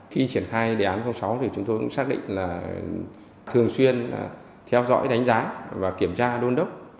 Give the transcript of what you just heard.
khi triển khai đề án sáu thì chúng tôi cũng xác định là thường xuyên theo dõi đánh giá và kiểm tra đôn đốc